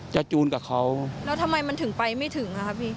จูนกับเขาแล้วทำไมมันถึงไปไม่ถึงอ่ะครับพี่